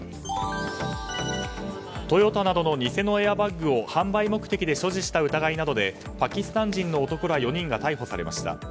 トヨタなどの偽のエアバッグを販売目的で所持した疑いなどでパキスタン人の男ら４人が逮捕されました。